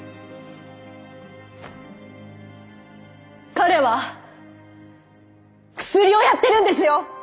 彼はクスリをやってるんですよ！